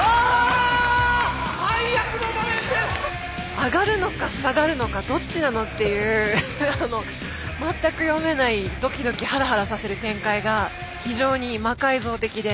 上がるのか下がるのかどっちなのっていうあの全く読めないドキドキハラハラさせる展開が非常に魔改造的で。